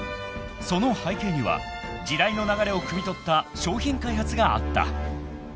［その背景には時代の流れをくみ取った商品開発があった］